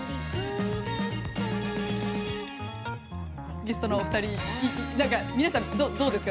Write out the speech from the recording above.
ゲストのお二人皆さんどうですか？